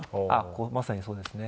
ここまさにそうですね。